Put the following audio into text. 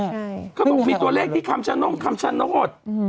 เธอบอกว่ามีตัวเลขที่คำชะโน้ท